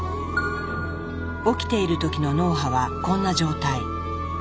起きている時の脳波はこんな状態。